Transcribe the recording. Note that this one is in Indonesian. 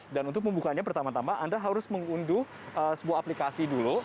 dan untuk pembukanya pertama tama anda harus mengunduh sebuah aplikasi dulu